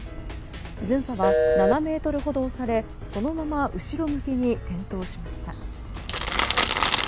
巡査は７ｍほど押され、そのまま後ろ向きに転倒しました。